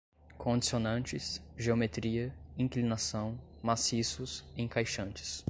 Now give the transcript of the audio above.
condicionantes, geometria, inclinação, maciços, encaixantes